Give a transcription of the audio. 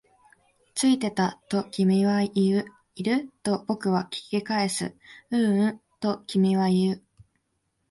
ついてた、と君は言う。いる？と僕は聞き返す。ううん、と君は言う。